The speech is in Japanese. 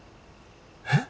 えっ？